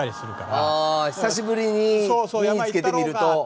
ああ久しぶりに身に着けてみると。